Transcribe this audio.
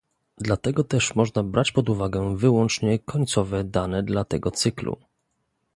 Dlatego też można brać pod uwagę wyłącznie końcowe dane dla tego cyklu